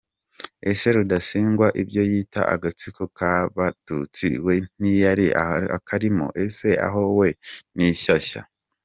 Ese Rudasingwa ibyo yita agatsiko k’abatutsi we ntiyari akarimo, ese aho we nishyashya !